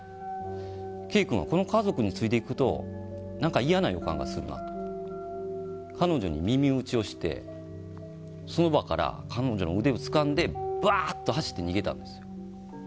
Ｋ君はこの家族についていくと何か嫌な予感がするなと彼女に耳打ちをしてその場から、彼女の腕をつかんでばーっと走って逃げたんですよ。